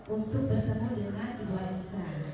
untuk bertemu dengan ibu ainsa